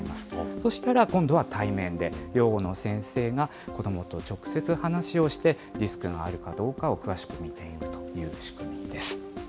そしたら今度は対面で、養護の先生が子どもと直接話をして、リスクがあるかどうかを詳しく見ていくという仕組みです。